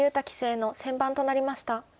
棋聖の先番となりました。